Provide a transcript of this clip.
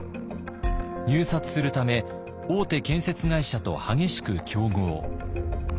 入札するため大手建設会社と激しく競合。